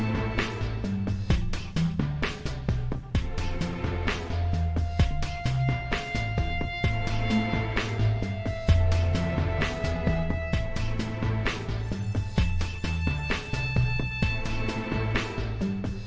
สวัสดีครับสวัสดีครับ